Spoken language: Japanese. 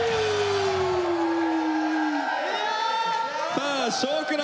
さあ「少クラ」